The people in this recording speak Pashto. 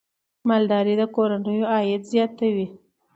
مالدارۍ د کورنیو عاید زیاتوي.